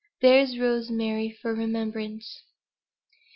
"THERE'S ROSEMARY FOR REMEMBRANCE."